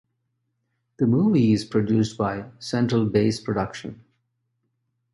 The movie is produced by Central Base production.